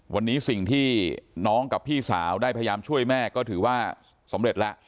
วันนี้สิ่งที่น้องกับพี่สาวได้พยายามช่วยแม่ก็ถือว่าสำเร็จแล้ว